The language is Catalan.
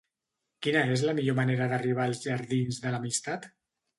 Quina és la millor manera d'arribar als jardins de l'Amistat?